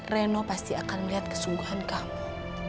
reno pasti akan melihat kesungguhan kamu